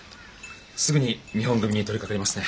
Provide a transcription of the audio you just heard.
すぐに見本組みに取りかかりますね。